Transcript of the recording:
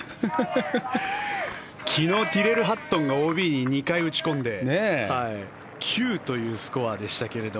昨日ティレル・ハットンがＯＢに２回打ち込んで９というスコアでしたけど